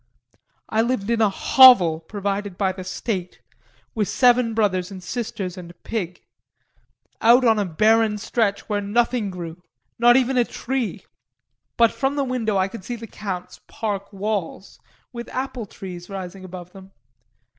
I lived in a hovel provided by the state, with seven brothers and sisters and a pig; out on a barren stretch where nothing grew, not even a tree, but from the window I could see the Count's park walls with apple trees rising above them.